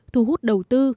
thu hút đầu tư